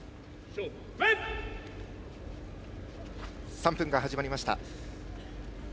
３分が始まりました。